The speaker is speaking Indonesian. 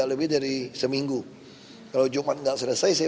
kementerian dalam negeri